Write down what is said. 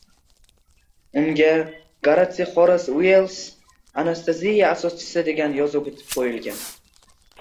Unga “Goratsiy Xoras Uells — anasteziya asoschisi” degan yozuv bitib qo‘yilgan